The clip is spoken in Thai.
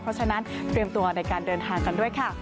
เพราะฉะนั้นเตรียมตัวในการเดินทางกันด้วยค่ะ